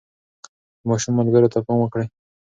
د ماشوم ملګرو ته پام وکړئ.